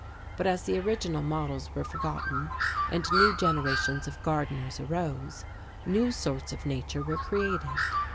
But, as the original models were forgotten and new generations of gardeners arose, new sorts of nature were created.